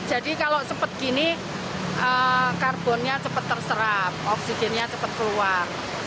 jadi kalau sempat gini karbonnya cepat terserap oksigennya cepat keluar